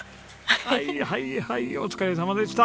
はいはいはいお疲れさまでした！